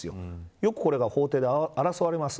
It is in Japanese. よくこれは法廷で争われます。